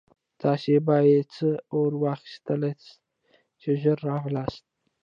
تاسې بیا څه اورا واخیستلاست چې ژر راغلاست.